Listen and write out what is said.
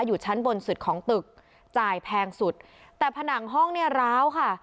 อยู่ชั้นบนสุดของตึกจ่ายแพงสุดแต่ผนังห้องเนี่ยร้าวค่ะ